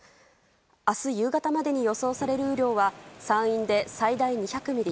明日夕方までに予想される雨量は山陰で最大２００ミリ